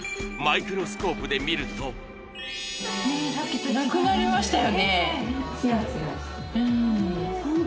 マイクロスコープで見るとなるんですね